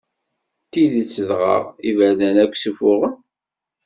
D tidet dɣa, iberdan akk ssufuɣen?